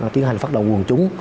tiến hành phát động nguồn chúng